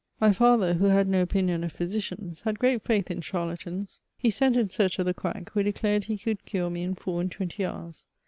My father, who had no opinion of physicians, had great faith in charlatans. He sent in search of the quack, who declared he could cure me in four and twenty hours.